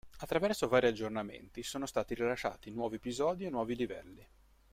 Attraverso vari aggiornamenti sono stati rilasciati nuovi episodi e nuovi livelli.